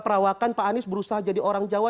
perawakan pak anies berusaha jadi orang jawa